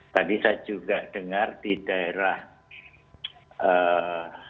tadi saya juga dengar di daerah